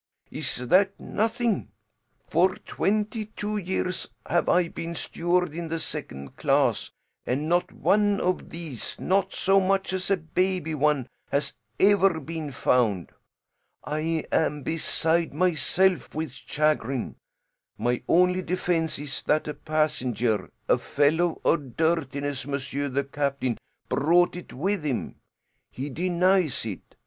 Is that nothing? For twenty two years have I been steward in the second class, and not one of these, not so much as a baby one, has ever been found. I am beside myself with chagrin. My only defense is that a passenger a fellow of dirtiness, monsieur the captain brought it with him. He denies it.